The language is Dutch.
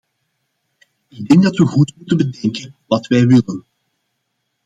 Ik denk dat we goed moeten bedenken wat wij willen.